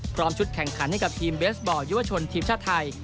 ชุดแข่งขันให้กับทีมเบสบอลยุวชนทีมชาติไทย